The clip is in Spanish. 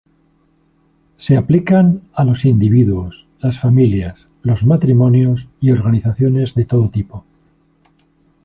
Se aplican a los individuos, las familias, los matrimonios, y organizaciones de todo tipo.